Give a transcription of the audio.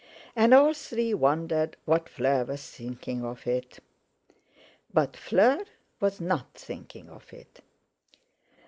And all three wondered what Fleur was thinking of it. But Fleur was not thinking of it.